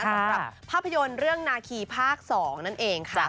สำหรับภาพยนตร์เรื่องนาคีภาค๒นั่นเองค่ะ